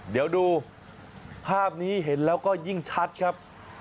เดี๋ยวดูภาพนี้เห็นแล้วก็ยิ่งชัดครับ